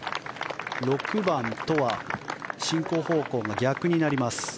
６番とは進行方向が逆になります。